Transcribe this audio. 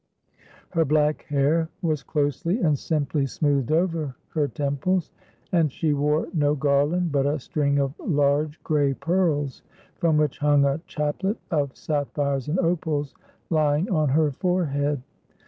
Her black hair was closely and simply smoothed over her temples, and she wore no garland, but a string of large gray pearls, from which hung a chaplet of sap phires and opa, ls, lying on her forehead.